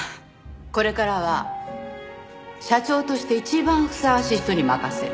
これからは社長として一番ふさわしい人に任せる。